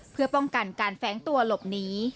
เพื่อป้องกันการแฟ้งตัวหลบหนี